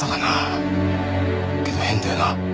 けど変だよな。